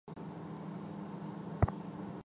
日本围棋故事